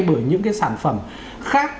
bởi những cái sản phẩm khác